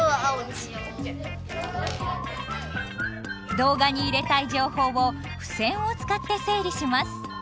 動画に入れたい情報を付箋を使って整理します。